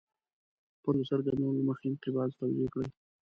د پورته څرګندونو له مخې انقباض توضیح کړئ.